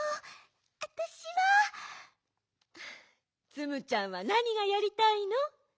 ツムちゃんはなにがやりたいの？